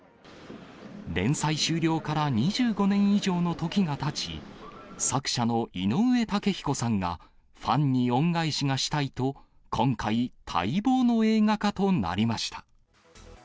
連載終了から２５年以上の時がたち、作者の井上雄彦さんが、ファンに恩返しがしたいと、今回、待望の映画化となりました。